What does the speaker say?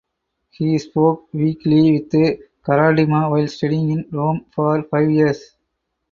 He spoke weekly with Karadima while studying in Rome for five years.